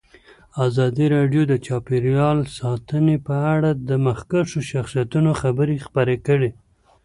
ازادي راډیو د چاپیریال ساتنه په اړه د مخکښو شخصیتونو خبرې خپرې کړي.